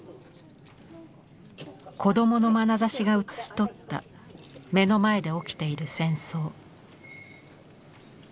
子どものまなざしが写し取った目の前で起きている戦争。